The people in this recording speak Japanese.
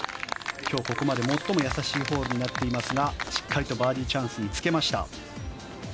今日ここまで最もやさしいホールになっていますがしっかりとバーディーチャンスにつけました。